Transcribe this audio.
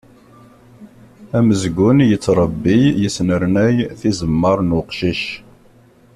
Amezgun yettrebbi yesnernay tizemmar n uqcic.